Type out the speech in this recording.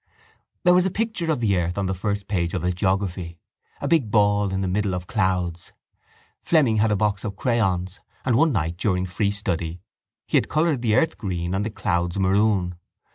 There was a picture of the earth on the first page of his geography: a big ball in the middle of clouds. Fleming had a box of crayons and one night during free study he had coloured the earth green and the clouds maroon.